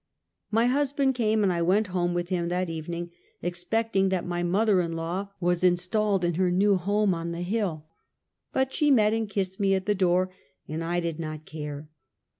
My husband came and I went home with him that evening, expecting that my mother in law was in stalled in her new home on the hill; but she met and kissed me at the door, and I did not care.